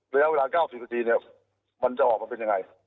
ระยะเวลา๙๐นาทีเนี่ยมันจะออกมาเป็นยังไง